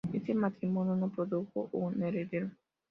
Este matrimonio no produjo un heredero.